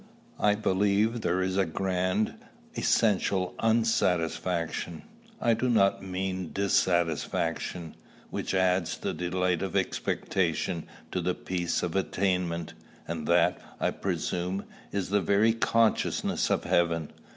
I believe there is a grand, essential unsatisfaction, I do not mean dissatisfaction, which adds the delight of expectation to the peace of attainment; and that, I presume, is the very consciousness of heaven.